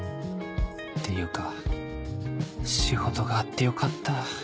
ていうか仕事があってよかった